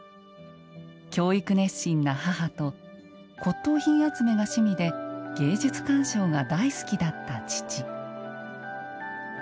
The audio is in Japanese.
教育熱心な母と骨とう品集めが趣味で芸術鑑賞が大好きだった父。